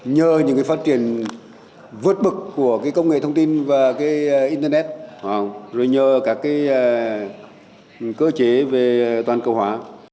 nhờ những phát triển vượt bậc của công nghệ thông tin và internet rồi nhờ các cơ chế về toàn cầu hóa